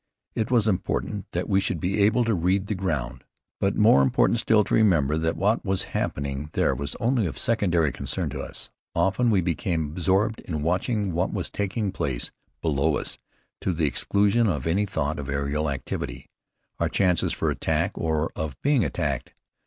It was important that we should be able to read the ground, but more important still to remember that what was happening there was only of secondary concern to us. Often we became absorbed in watching what was taking place below us, to the exclusion of any thought of aerial activity, our chances for attack or of being attacked.